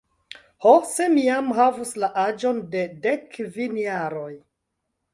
Ho, se mi jam havus la aĝon de dekkvin jaroj!